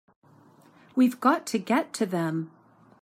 We've got to get to them!